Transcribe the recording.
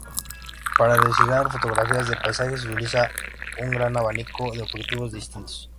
Para realizar fotografía de paisaje, se utiliza un gran abanico de objetivos distintos.